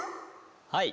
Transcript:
はい。